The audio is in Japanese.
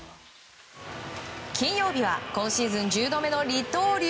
金曜日は今シーズン１０度目の二刀流。